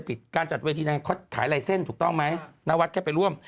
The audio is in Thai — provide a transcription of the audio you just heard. ผิดการจัดเวทีแนวขายไลท์เส้นถูกต้องไหมนวัดแค่ไปร่วม